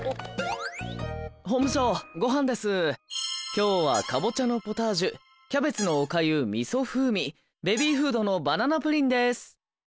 今日はかぼちゃのポタージュキャベツのおかゆみそ風味ベビーフードのバナナプリンです。